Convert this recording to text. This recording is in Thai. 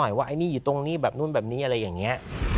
อย่าให้นี่อยู่ตรงนี้แบบนั้นแบบนี้อันเนี้ย